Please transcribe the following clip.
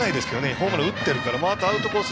ホームラン打ってるからあとはアウトコース